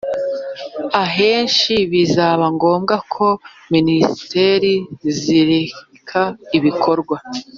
ahenshi bizaba ngombwa ko minisiteri zireka ibikorwa